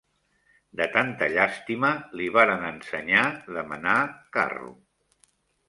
De tanta llàstima, li varen ensenyar de menar carro.